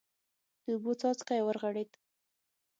د اوبو څاڅکی ورغړېد.